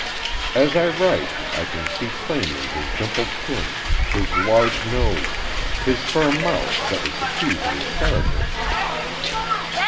As I write I can see plainly his dimpled chin, his large nose, his firm mouth that was the key to his character.